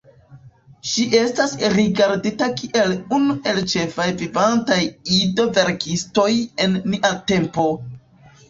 Ŝi estas rigardita kiel unu el ĉefaj vivantaj ido-verkistoj en nia tempo.